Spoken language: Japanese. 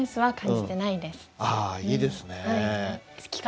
ああいいですね。